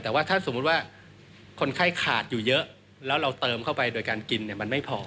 แต่ว่าถ้าสมมุติว่าคนไข้ขาดอยู่เยอะแล้วเราเติมเข้าไปโดยการกินเนี่ยมันไม่พอ